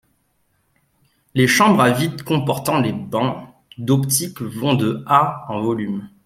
Les chambres à vide comportant les bancs d'optique vont de à en volume.